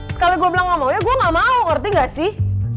sekali gue bilang ngomong ya gue gak mau ngerti gak sih